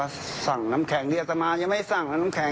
เราจัดเตรียมสถานที่ไว้ให้พอใช่ไหม